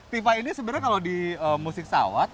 tifa ini sebenarnya kalau di musik sawat